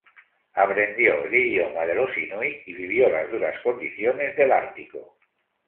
Aprendió el idioma de los inuit y vivió las duras condiciones del Ártico.